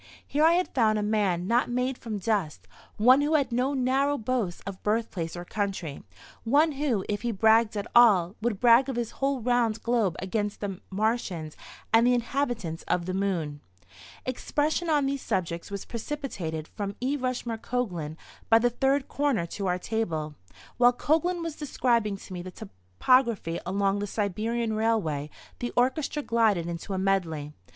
Here I had found a man not made from dust; one who had no narrow boasts of birthplace or country, one who, if he bragged at all, would brag of his whole round globe against the Martians and the inhabitants of the Moon. Expression on these subjects was precipitated from E. Rushmore Coglan by the third corner to our table. While Coglan was describing to me the topography along the Siberian Railway the orchestra glided into a medley.